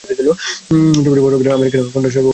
ছবিটি বর্ণনা করেছেন আমেরিকান কণ্ঠস্বর অভিনেতা কিথ ডেভিড।